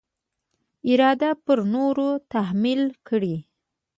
اراده پر نورو تحمیل کړي.